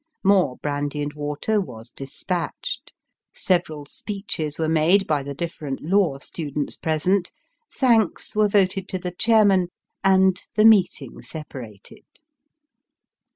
More brandy and water was despatched ; several speeches were made by the different law students present; thanks were voted to the chairman ; and the meeting separated.